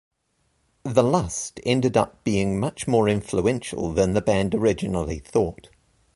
"The Lust..." ended up being much more influential than the band originally thought.